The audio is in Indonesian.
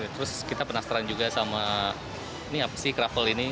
terus kita penasaran juga sama ini apa sih kroffel ini